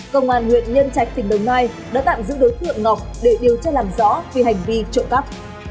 công an huyện nhân trạch tỉnh đồng nai đã tạm giữ đối tượng ngọc để điều tra làm rõ vì hành vi trộm cắp